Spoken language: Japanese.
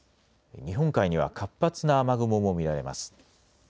日本海には活発な雨雲も見られます。